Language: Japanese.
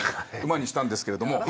馬にしたんですけれども。